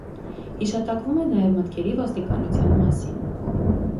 Հիշատակվում է նաև «մտքերի ոստիկանության» մասին։